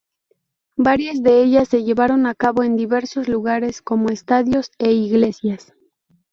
Varias de ellas se llevaron a cabo en diversos lugares, como estadios e iglesias.